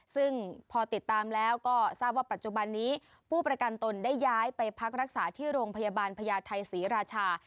ซึ่งพอติดตามแล้วก็ทราบว่าปัจจุบันนี้ผู้ประกันตนได้ย้ายไปพักรักษาที่โรงพยาบาลพญาไทยศรีราชา